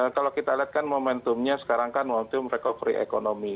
kalau kita lihatkan momentumnya sekarang kan momentum recovery economy